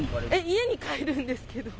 家に帰るんですけど。